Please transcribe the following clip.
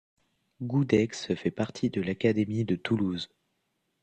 Goudex fait partie de l'académie de Toulouse.